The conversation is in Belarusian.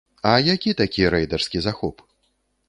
А які такі рэйдарскі захоп?